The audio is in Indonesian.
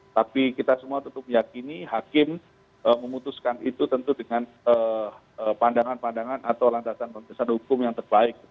tapi kita semua tentu meyakini hakim memutuskan itu tentu dengan pandangan pandangan atau lantasan lantasan hukum yang terbaik